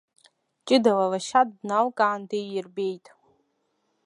Ҷыдала лашьа дналкаан диирбеит.